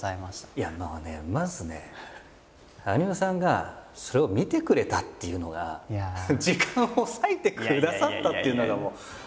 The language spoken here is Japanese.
いやもうねまずね羽生さんがそれを見てくれたっていうのが時間を割いてくださったっていうのがもう申し訳なくて。